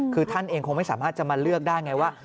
คือท่านเองคงไม่สามารถจะมาเลือกได้ไงว่า